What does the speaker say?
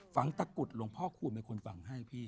ตะกุดหลวงพ่อคูณเป็นคนฝังให้พี่